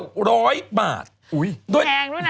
อุ๊ยแพงด้วยนะ